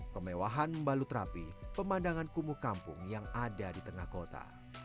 kemewahan membalut rapi pemandangan kumuh kampung yang ada di tengah kota